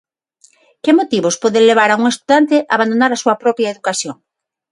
Que motivos poden levar a un estudante a abandonar a súa propia educación?